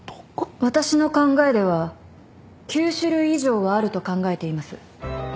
私の考えでは９種類以上はあると考えています。